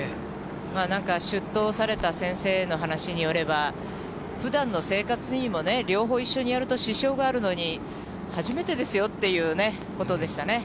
なんか執刀された先生の話によれば、ふだんの生活にもね、両方一緒にやると支障があるのに、初めてですよっていうことですよ